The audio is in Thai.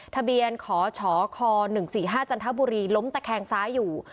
ทะเบียนขอฉอคอหนึ่งสี่ห้าจันทบุรีล้มแต่แคงซ้ายอยู่